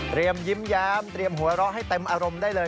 ยิ้มแย้มเตรียมหัวเราะให้เต็มอารมณ์ได้เลย